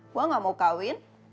gue gak mau kawin